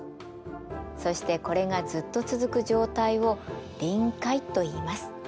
そしてこれがずっと続く状態を臨界といいます。